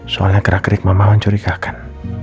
soalnya gerak gerik memang mencurigakan